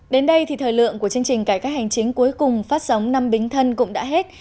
đến đây thì thời lượng của chương trình cải cách hành chính cuối cùng phát sóng năm bính thân cũng đã hết